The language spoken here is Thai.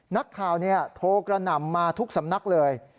นักข่าวโทรกระหน่ำมาทุกสำนักเลย